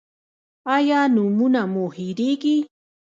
ایا نومونه مو هیریږي؟